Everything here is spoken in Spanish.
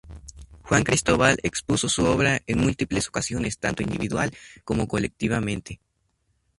Juan Cristóbal expuso su obra en múltiples ocasiones, tanto individual como colectivamente.